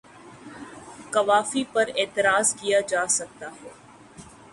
قوافی پر اعتراض کیا جا سکتا ہے۔